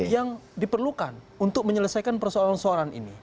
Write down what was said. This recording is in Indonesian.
yang diperlukan untuk menyelesaikan persoalan persoalan ini